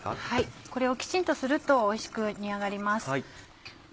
はいこれをきちんとするとおいしく煮上がります。